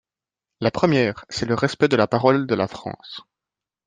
La première, c’est le respect de la parole de la France.